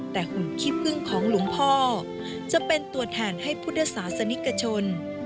แต่หุ่นขี้พึ่งของหลวงพ่อจะเป็นตัวแทนให้พุทธศาสนิกชน